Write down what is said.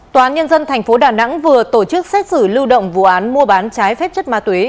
tòa án nhân dân tp đà nẵng vừa tổ chức xét xử lưu động vụ án mua bán trái phép chất ma túy